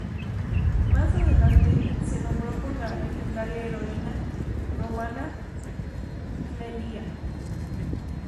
Más adelante se nombró por la legendaria heroína romana Clelia.